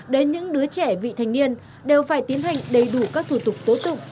đến những đứa trẻ vị thành niên đều phải tiến hành đầy đủ các thủ tục tố tụng